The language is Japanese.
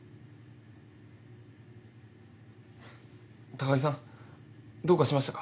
高木さんどうかしましたか？